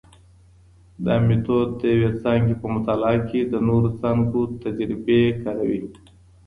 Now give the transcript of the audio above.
دا مېتود د یوه څانګې په مطالعه کې د نورو څانګو تجربې کاروي.